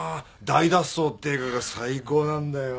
『大脱走』って映画が最高なんだよ。